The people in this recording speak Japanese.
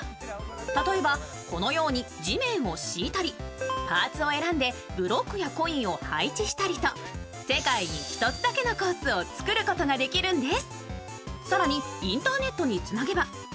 例えば、地面を敷いたり、パーツを選んでブロックやコインを配置したりと世界に１つだけのコースを作ることができるんです。